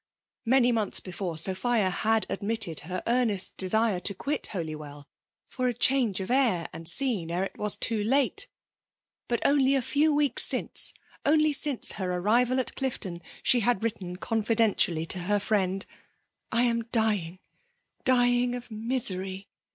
Many months before, Sophia had admitted her earnest desire to quit Holy well '' for change of air and scene, *ere it was too late;'* but only a few weeks since, cmly since her arrival at Clifton, she had written confidentially to her friend, —*' I am dying !— dying of misery.